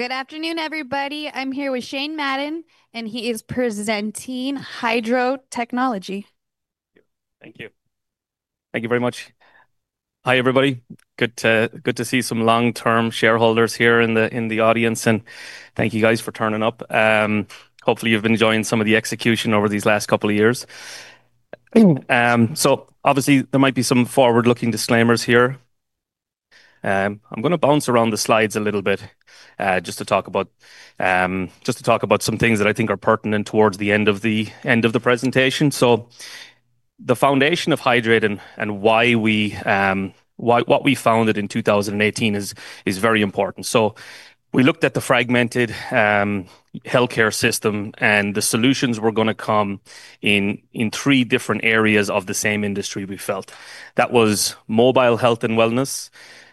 Good afternoon, everybody. I'm here with Shane Madden, and he is presenting Hydreight Technologies. Thank you. Thank you very much. Hi, everybody. Good to see some long-term shareholders here in the audience, and thank you guys for turning up. Hopefully, you've been enjoying some of the execution over these last couple of years. Obviously, there might be some forward-looking disclaimers here. I'm going to bounce around the slides a little bit, just to talk about some things that I think are pertinent towards the end of the presentation. The foundation of Hydreight and what we founded in 2018 is very important. We looked at the fragmented healthcare system, and the solutions were going to come in three different areas of the same industry, we felt. That was mobile health and wellness,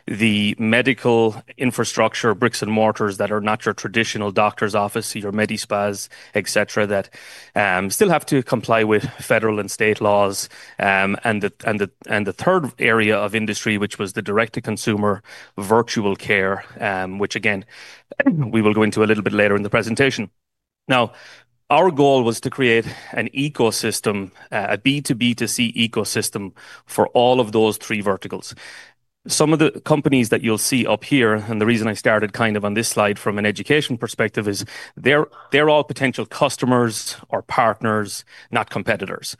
the medical infrastructure, bricks and mortars that are not your traditional doctor's office, your medi-spas, et cetera, that still have to comply with federal and state laws. The third area of industry, which was the direct-to-consumer virtual care, which again, we will go into a little bit later in the presentation. Now, our goal was to create an ecosystem, a B2B2C ecosystem for all of those three verticals. Some of the companies that you'll see up here, and the reason I started on this slide from an education perspective is they're all potential customers or partners, not competitors.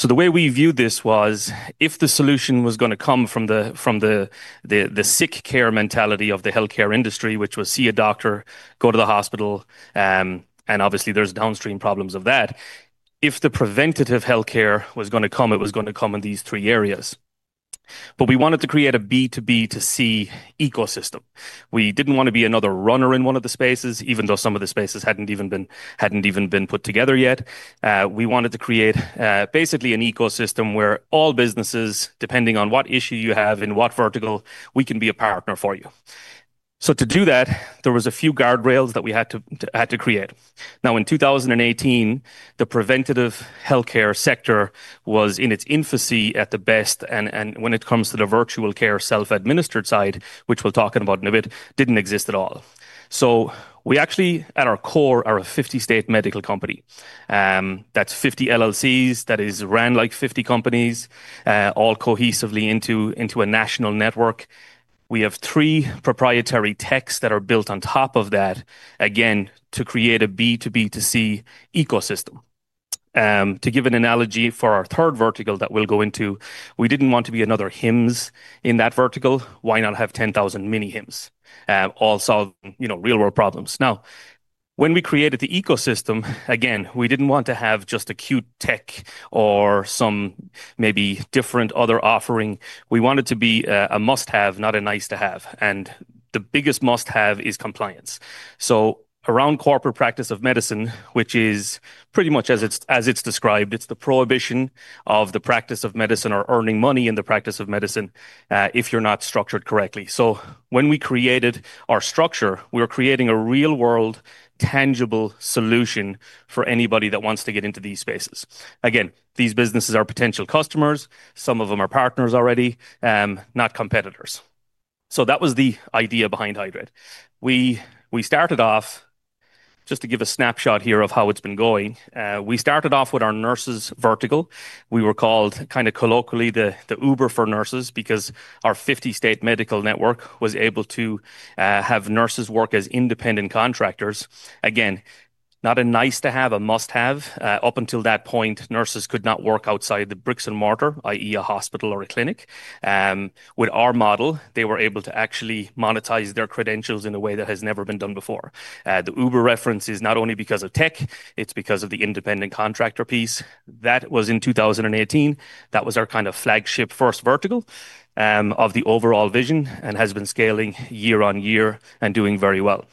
The way we viewed this was, if the solution was going to come from the sick care mentality of the healthcare industry, which was see a doctor, go to the hospital, and obviously there's downstream problems of that. If the preventative healthcare was going to come, it was going to come in these three areas. We wanted to create a B2B2C ecosystem. We didn't want to be another runner in one of the spaces, even though some of the spaces hadn't even been put together yet. We wanted to create basically an ecosystem where all businesses, depending on what issue you have in what vertical, we can be a partner for you. To do that, there was a few guardrails that we had to create. Now, in 2018, the preventative healthcare sector was in its infancy at the best, and when it comes to the virtual care self-administered side, which we'll talk about in a bit, didn't exist at all. We actually, at our core, are a 50-state medical company. That's 50 LLCs, that is ran like 50 companies, all cohesively into a national network. We have three proprietary techs that are built on top of that, again, to create a B2B2C ecosystem. To give an analogy for our third vertical that we'll go into, we didn't want to be another Hims in that vertical. Why not have 10,000 mini Hims all solving real-world problems? Now, when we created the ecosystem, again, we didn't want to have just acute tech or some maybe different other offering. We want it to be a must-have, not a nice-to-have. The biggest must-have is compliance. Around corporate practice of medicine, which is pretty much as it's described, it's the prohibition of the practice of medicine or earning money in the practice of medicine if you're not structured correctly. When we created our structure, we were creating a real-world, tangible solution for anybody that wants to get into these spaces. Again, these businesses are potential customers. Some of them are partners already, not competitors. That was the idea behind Hydreight. Just to give a snapshot here of how it's been going. We started off with our nurses vertical. We were called colloquially the Uber for nurses because our 50-state medical network was able to have nurses work as independent contractors. Again, not a nice-to-have, a must-have. Up until that point, nurses could not work outside the bricks and mortar, i.e., a hospital or a clinic. With our model, they were able to actually monetize their credentials in a way that has never been done before. The Uber reference is not only because of tech, it's because of the independent contractor piece. That was in 2018. That was our flagship first vertical of the overall vision and has been scaling year-on-year and doing very well.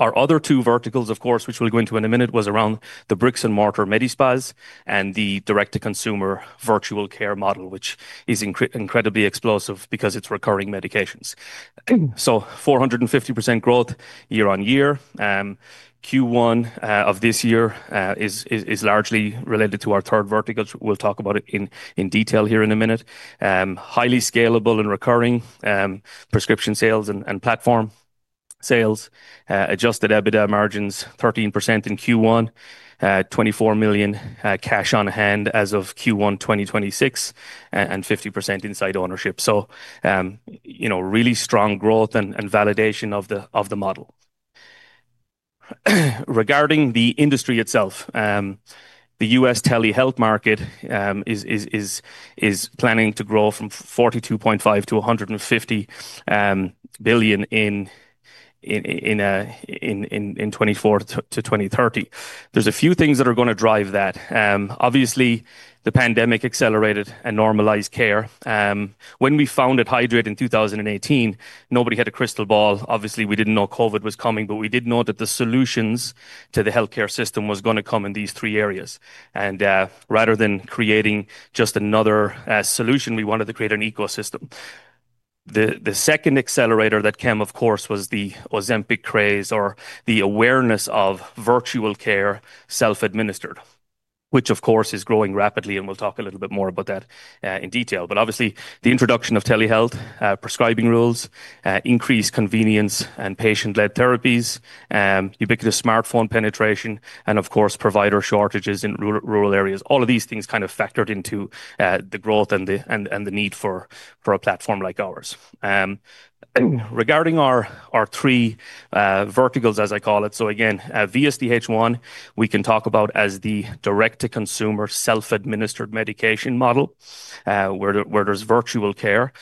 Our other two verticals, of course, which we'll go into in a minute, was around the bricks and mortar medi-spas and the direct-to-consumer virtual care model, which is incredibly explosive because it's recurring medications. 450% growth year-on-year. Q1 of this year is largely related to our third vertical. We'll talk about it in detail here in a minute. Highly scalable and recurring prescription sales and platform sales. Adjusted EBITDA margins 13% in Q1. 24 million cash on hand as of Q1 2026, and 50% inside ownership. Really strong growth and validation of the model. Regarding the industry itself, the U.S. telehealth market is planning to grow from $42.5 billion to $150 billion in 2024 to 2030. There's a few things that are going to drive that. Obviously, the pandemic accelerated and normalized care. When we founded Hydreight in 2018, nobody had a crystal ball. Obviously, we didn't know COVID was coming, but we did know that the solutions to the healthcare system was going to come in these three areas. Rather than creating just another solution, we wanted to create an ecosystem. The second accelerator that came, of course, was the Ozempic craze or the awareness of virtual care self-administered. Which, of course, is growing rapidly, and we'll talk a little bit more about that in detail. Obviously, the introduction of telehealth, prescribing rules, increased convenience and patient-led therapies, ubiquitous smartphone penetration, and of course, provider shortages in rural areas. All of these things factored into the growth and the need for a platform like ours. Regarding our three verticals, as I call it. Again, VSDHOne, we can talk about as the direct-to-consumer, self-administered medication model where there's virtual care.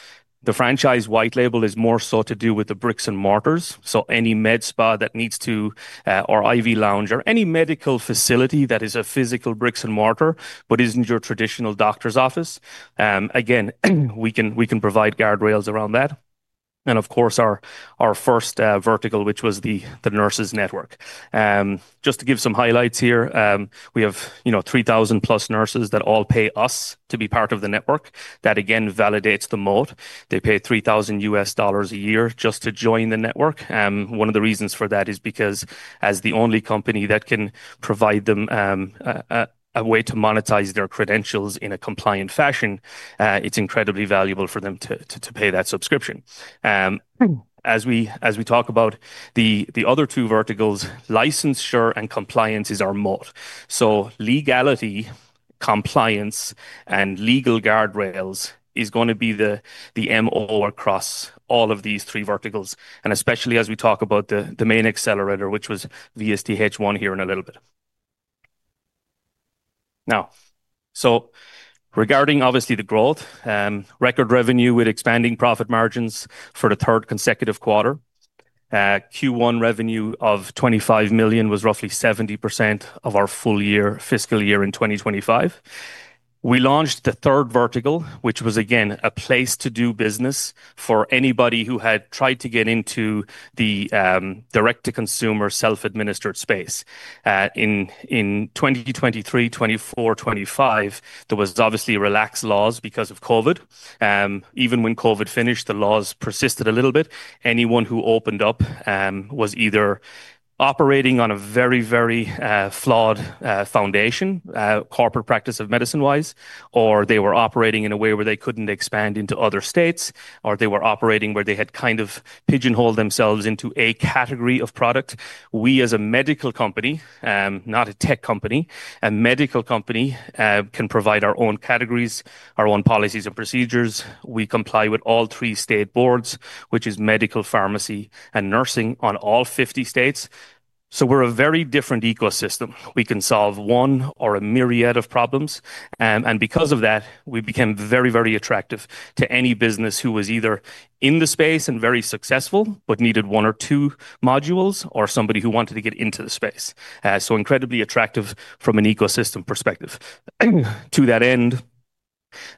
The franchise white label is more so to do with the bricks and mortars. Any med spa or IV lounge or any medical facility that is a physical bricks and mortar but isn't your traditional doctor's office, again, we can provide guardrails around that. Of course, our first vertical, which was the nurses network. Just to give some highlights here, we have 3,000+ nurses that all pay us to be part of the network. That, again, validates the moat. They pay $3,000 a year just to join the network. One of the reasons for that is because as the only company that can provide them a way to monetize their credentials in a compliant fashion, it's incredibly valuable for them to pay that subscription. As we talk about the other two verticals, licensure and compliance is our moat. Legality, compliance, and legal guardrails is going to be the MO across all of these three verticals, and especially as we talk about the main accelerator, which was VSDHOne here in a little bit. Regarding obviously the growth, record revenue with expanding profit margins for the third consecutive quarter. Q1 revenue of 25 million was roughly 70% of our full year fiscal year 2025. We launched the third vertical, which was again, a place to do business for anybody who had tried to get into the direct-to-consumer self-administered space. In 2023, 2024, 2025, there was obviously relaxed laws because of COVID. Even when COVID finished, the laws persisted a little bit. Anyone who opened up was either operating on a very flawed foundation, corporate practice of medicine-wise, or they were operating in a way where they couldn't expand into other states, or they were operating where they had kind of pigeonholed themselves into a category of product. We, as a medical company, not a tech company, a medical company can provide our own categories, our own policies and procedures. We comply with all three state boards, which is medical, pharmacy, and nursing on all 50 states. We're a very different ecosystem. We can solve one or a myriad of problems, because of that, we became very attractive to any business who was either in the space and very successful but needed one or two modules or somebody who wanted to get into the space. Incredibly attractive from an ecosystem perspective. To that end,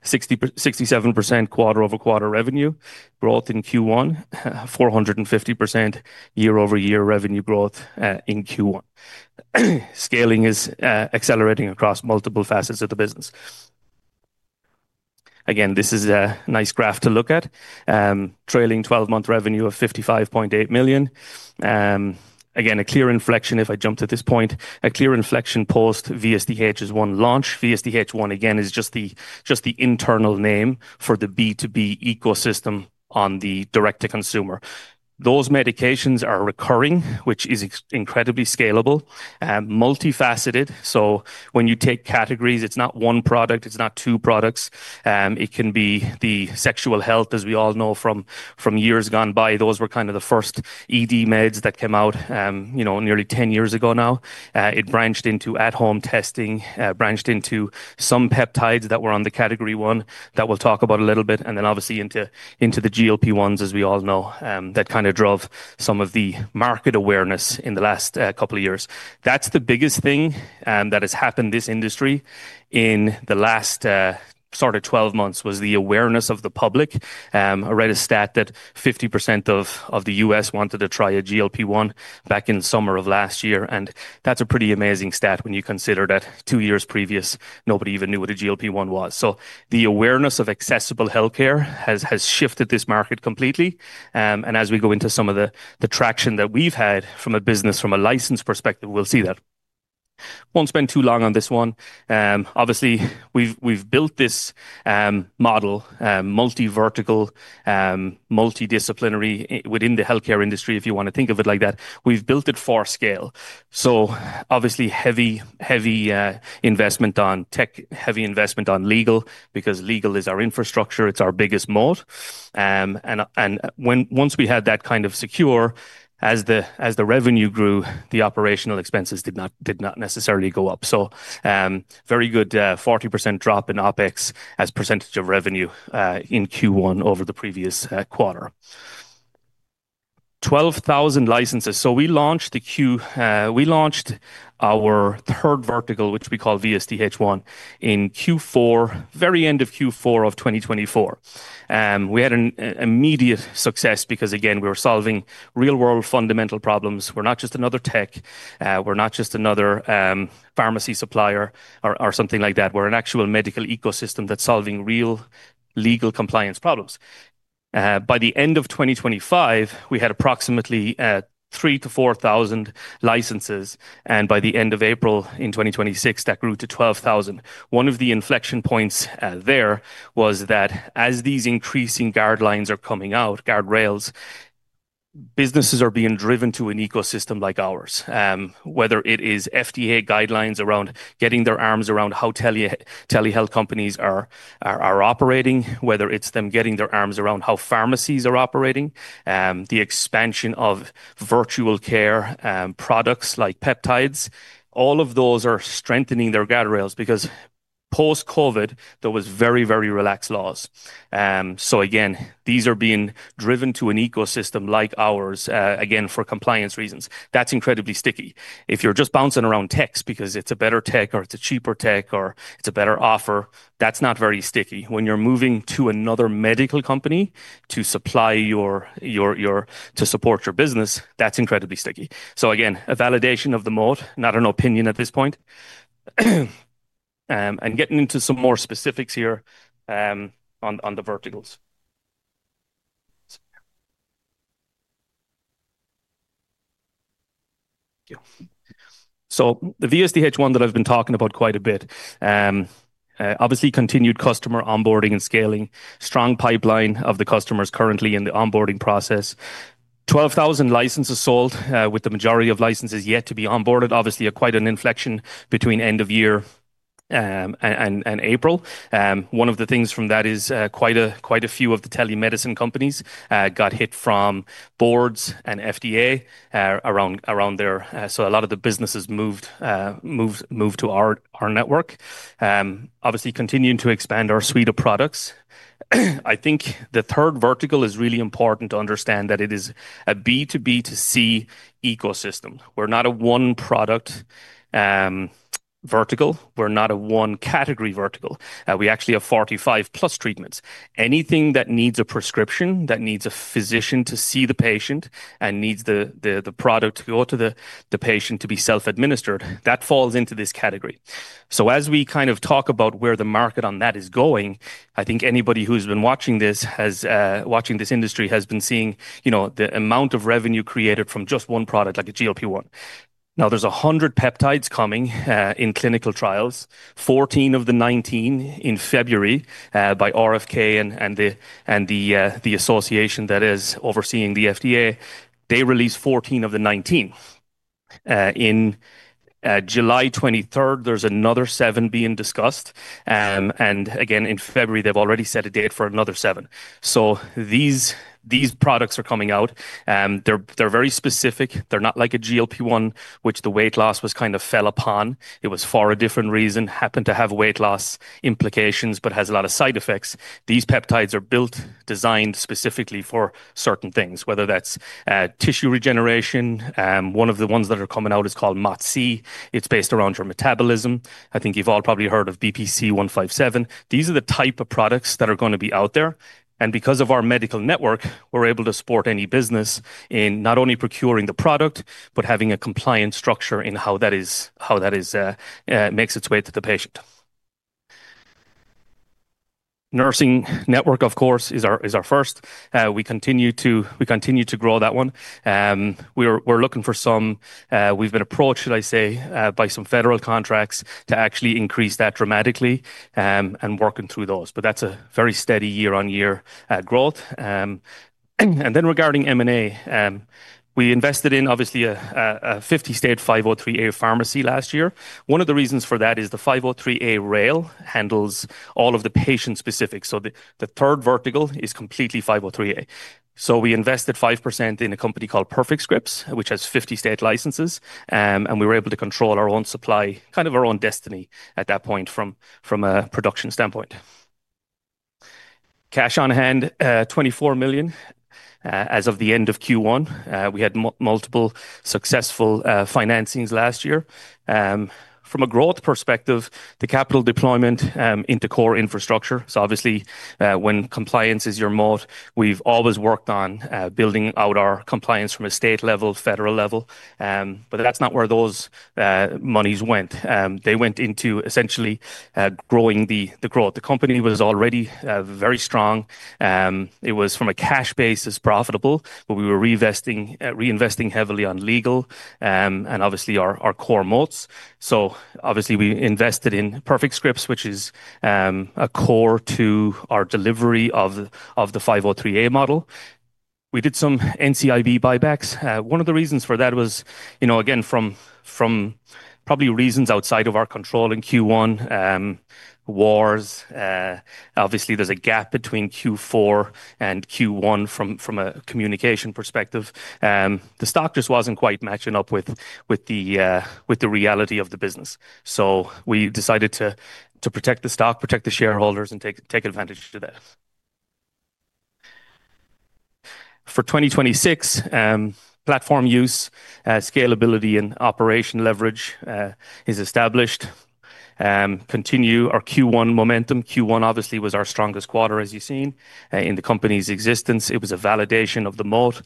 67% quarter-over-quarter revenue growth in Q1. 450% year-over-year revenue growth in Q1. Scaling is accelerating across multiple facets of the business. This is a nice graph to look at. Trailing 12-month revenue of 55.8 million. A clear inflection if I jumped at this point, a clear inflection post-VSDHOne launch. VSDHOne, again, is just the internal name for the B2B ecosystem on the direct-to-consumer. Those medications are recurring, which is incredibly scalable, multifaceted. When you take categories, it's not one product, it's not two products. It can be the sexual health, as we all know from years gone by. Those were kind of the first ED meds that came out nearly 10 years ago now. It branched into at-home testing, branched into some peptides that were on the Category 1 that we'll talk about a little bit, obviously into the GLP-1s, as we all know, that drove some of the market awareness in the last couple of years. That's the biggest thing that has happened this industry in the last sort of 12 months was the awareness of the public. I read a stat that 50% of the U.S. wanted to try a GLP-1 back in the summer of last year, that's a pretty amazing stat when you consider that two years previous, nobody even knew what a GLP-1 was. The awareness of accessible healthcare has shifted this market completely, as we go into some of the traction that we've had from a business from a license perspective, we'll see that. Won't spend too long on this one. Obviously, we've built this model, multi-vertical, multidisciplinary within the healthcare industry, if you want to think of it like that. We've built it for scale. Obviously heavy investment on tech, heavy investment on legal, because legal is our infrastructure. It's our biggest moat. Once we had that kind of secure, as the revenue grew, the operational expenses did not necessarily go up. Very good 40% drop in OpEx as percentage of revenue in Q1 over the previous quarter. 12,000 licenses. We launched our third vertical, which we call VSDHOne, in Q4, very end of Q4 of 2024. We had an immediate success because, again, we were solving real-world fundamental problems. We're not just another tech, we're not just another pharmacy supplier or something like that. We're an actual medical ecosystem that's solving real legal compliance problems. By the end of 2025, we had approximately 3,000-4,000 licenses, and by the end of April in 2026, that grew to 12,000. One of the inflection points there was that as these increasing guard lines are coming out, guardrails, businesses are being driven to an ecosystem like ours. Whether it is FDA guidelines around getting their arms around how telehealth companies are operating, whether it's them getting their arms around how pharmacies are operating, the expansion of virtual care products like peptides, all of those are strengthening their guardrails because post-COVID, there was very relaxed laws. Again, these are being driven to an ecosystem like ours, again, for compliance reasons. That's incredibly sticky. If you're just bouncing around techs because it's a better tech or it's a cheaper tech or it's a better offer, that's not very sticky. When you're moving to another medical company to support your business, that's incredibly sticky. Again, a validation of the moat, not an opinion at this point. Getting into some more specifics here on the verticals. Thank you. The VSDHOne that I've been talking about quite a bit. Obviously, continued customer onboarding and scaling, strong pipeline of the customers currently in the onboarding process. 12,000 licenses sold, with the majority of licenses yet to be onboarded. Obviously, quite an inflection between end of year and April. One of the things from that is quite a few of the telemedicine companies got hit from boards and FDA around there. A lot of the businesses moved to our network. Obviously, continuing to expand our suite of products. I think the third vertical is really important to understand that it is a B2B2C ecosystem. We're not a one-product vertical. We're not a one-category vertical. We actually have 45+ treatments. Anything that needs a prescription, that needs a physician to see the patient and needs the product to go to the patient to be self-administered, that falls into this category. As we talk about where the market on that is going, I think anybody who's been watching this industry has been seeing the amount of revenue created from just one product, like a GLP-1. Now, there's 100 peptides coming in clinical trials. 14 of the 19 in February, by RFK and the association that is overseeing the FDA, they released 14 of the 19. In July 23rd, there's another seven being discussed. Again, in February, they've already set a date for another seven. These products are coming out. They're very specific. They're not like a GLP-1, which the weight loss was kind of fell upon. It was for a different reason, happened to have weight loss implications, but has a lot of side effects. These peptides are built, designed specifically for certain things, whether that's tissue regeneration. One of the ones that are coming out is called MOTS-c. It's based around your metabolism. I think you've all probably heard of BPC 157. These are the type of products that are going to be out there. Because of our medical network, we're able to support any business in not only procuring the product, but having a compliance structure in how that makes its way to the patient. Nursing network, of course, is our first. We continue to grow that one. We've been approached, should I say, by some federal contracts to actually increase that dramatically and working through those. That's a very steady year-on-year growth. Regarding M&A, we invested in, obviously, a 50-state 503A pharmacy last year. One of the reasons for that is the 503A rail handles all of the patient specifics. The third vertical is completely 503A. We invested 5% in a company called Perfect Scripts, which has 50-state licenses, and we were able to control our own supply, kind of our own destiny at that point from a production standpoint. Cash on hand, 24 million as of the end of Q1. We had multiple successful financings last year. From a growth perspective, the capital deployment into core infrastructure. Obviously, when compliance is your moat, we've always worked on building out our compliance from a state level, federal level. That's not where those monies went. They went into essentially growing the growth. The company was already very strong. It was from a cash basis profitable, but we were reinvesting heavily on legal and obviously our core moats. Obviously we invested in Perfect Scripts, which is a core to our delivery of the 503A model. We did some NCIB buybacks. One of the reasons for that was, again, from probably reasons outside of our control in Q1, wars. Obviously there's a gap between Q4 and Q1 from a communication perspective. The stock just wasn't quite matching up with the reality of the business. We decided to protect the stock, protect the shareholders, and take advantage of that. For 2026, platform use, scalability, and operation leverage is established. Continue our Q1 momentum. Q1 obviously was our strongest quarter, as you've seen, in the company's existence. It was a validation of the moat.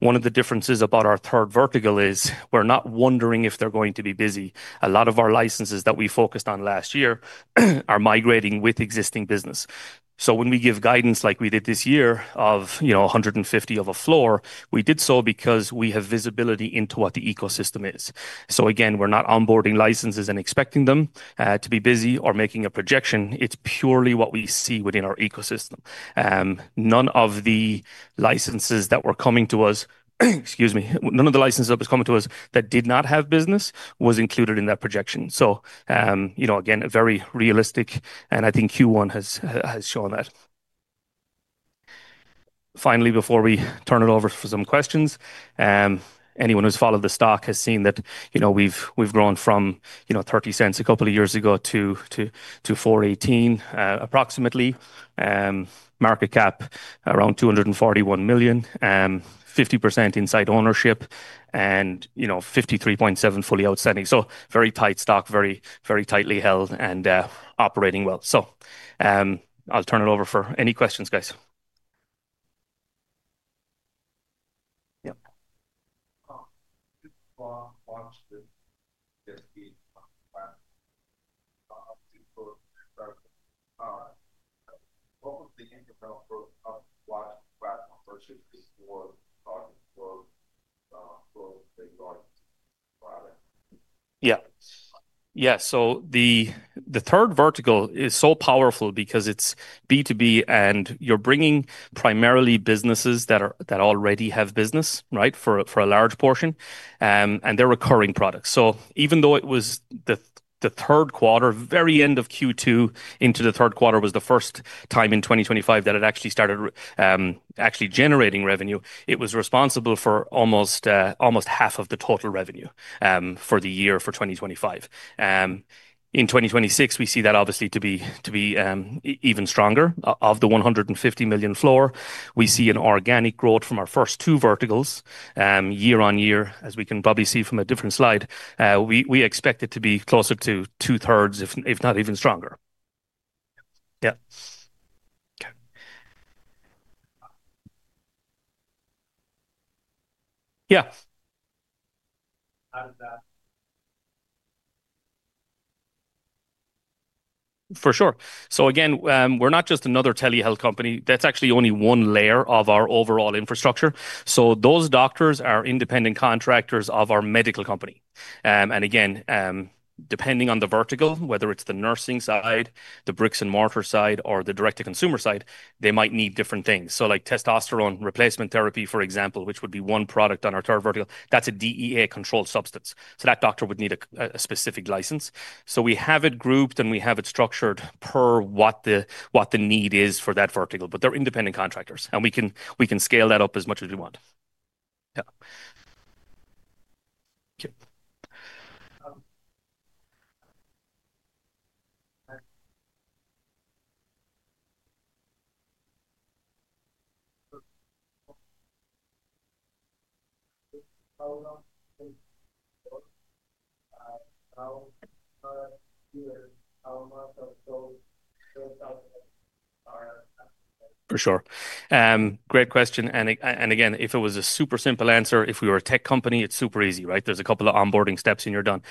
One of the differences about our third vertical is we're not wondering if they're going to be busy. A lot of our licenses that we focused on last year are migrating with existing business. When we give guidance like we did this year of 150 of a floor, we did so because we have visibility into what the ecosystem is. Again, we're not onboarding licenses and expecting them to be busy or making a projection. It's purely what we see within our ecosystem. None of the licenses that was coming to us that did not have business was included in that projection. Again, very realistic, and I think Q1 has shown that. Finally, before we turn it over for some questions, anyone who's followed the stock has seen that we've grown from 0.30 a couple of years ago to 4.18 approximately. Market cap, around 241 million. 50% inside ownership and 53.7% fully outstanding. Very tight stock, very tightly held and operating well. I'll turn it over for any questions, guys. Yep. Yeah. The third vertical is so powerful because it's B2B and you're bringing primarily businesses that already have business, right, for a large portion, and they're recurring products. Even though it was the third quarter, very end of Q2 into the third quarter was the first time in 2025 that it actually started generating revenue. It was responsible for almost 1/2 of the total revenue for the year for 2025. In 2026, we see that obviously to be even stronger. Of the 150 million floor, we see an organic growth from our first two verticals year-on-year, as we can probably see from a different slide. We expect it to be closer to 2/3, if not even stronger. Yeah. Okay. Yeah. For sure. Again, we're not just another telehealth company. That's actually only one layer of our overall infrastructure. Those doctors are independent contractors of our medical company. Again, depending on the vertical, whether it's the nursing side, the bricks and mortar side or the direct-to-consumer side, they might need different things. Like testosterone replacement therapy, for example, which would be one product on our third vertical. That's a DEA-controlled substance. That doctor would need a specific license. We have it grouped, and we have it structured per what the need is for that vertical. They're independent contractors, and we can scale that up as much as we want. Yeah. Okay. For sure. Great question. Again, if it was a super simple answer, if we were a tech company, it's super easy, right? There's a couple of onboarding steps and you're done.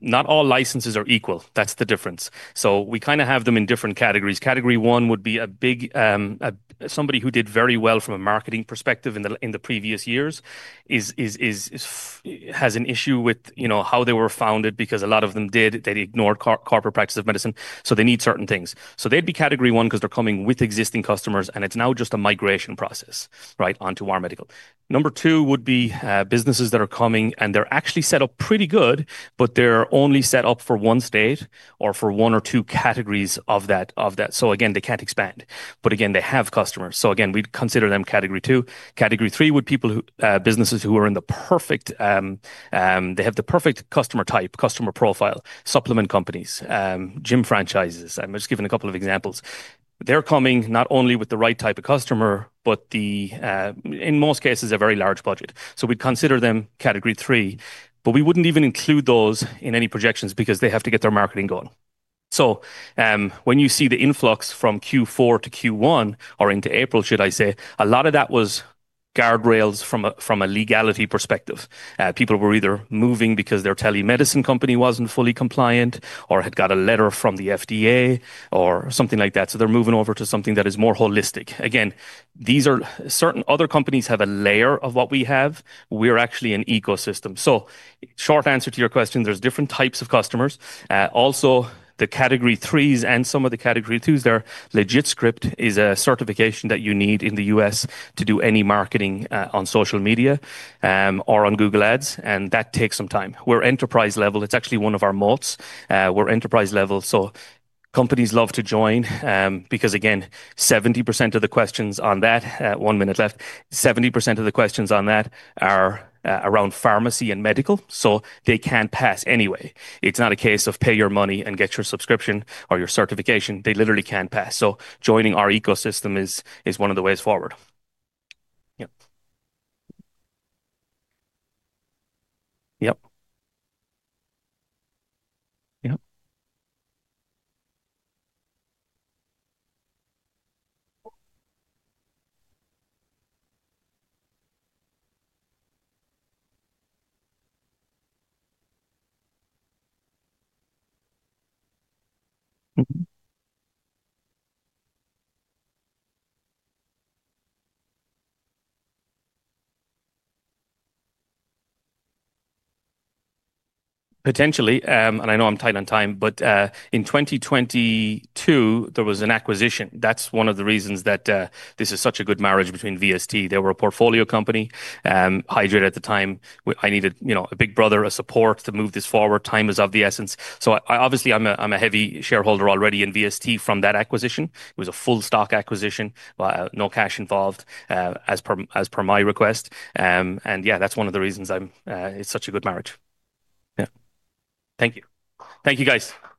Not all licenses are equal. That's the difference. We have them in different categories. Category 1 would be somebody who did very well from a marketing perspective in the previous years, has an issue with how they were founded because a lot of them did, they ignored corporate practice of medicine, so they need certain things. They'd be Category 1 because they're coming with existing customers and it's now just a migration process onto our medical. Number two would be businesses that are coming, and they're actually set up pretty good, but they're only set up for one state or for one or two categories of that. Again, they can't expand. Again, they have customers. Again, we'd consider them Category 2. Category 3 would be businesses who are in the perfect. They have the perfect customer type, customer profile, supplement companies, gym franchises. I'm just giving a couple of examples. They're coming not only with the right type of customer, but the, in most cases, a very large budget. We'd consider them Category 3. We wouldn't even include those in any projections because they have to get their marketing going. When you see the influx from Q4 to Q1 or into April should I say, a lot of that was guardrails from a legality perspective. People were either moving because their telemedicine company wasn't fully compliant or had got a letter from the FDA or something like that. They're moving over to something that is more holistic. Again, other companies have a layer of what we have. We're actually an ecosystem. Short answer to your question, there's different types of customers. Also, the Category 3s and some of the Category 2s, their LegitScript is a certification that you need in the U.S. to do any marketing on social media or on Google Ads, and that takes some time. We're enterprise level. It's actually one of our moats. We're enterprise level, companies love to join. Again, 70% of the questions on that, one minute left, 70% of the questions on that are around pharmacy and medical, they can pass anyway. It's not a case of pay your money and get your subscription or your certification. They literally can pass. Joining our ecosystem is one of the ways forward. Yep. Yep. Yep. Mm-hmm. Potentially, and I know I'm tight on time, in 2022, there was an acquisition. That's one of the reasons that this is such a good marriage between VST. They were a portfolio company. Hydreight at the time, I needed a big brother, a support to move this forward. Time is of the essence. Obviously, I'm a heavy shareholder already in VST from that acquisition. It was a full stock acquisition, no cash involved, as per my request. Yeah, that's one of the reasons it's such a good marriage. Yeah. Thank you. Thank you, guys.